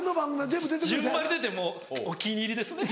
もうお気に入りですね。